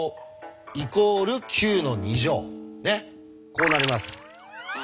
こうなります。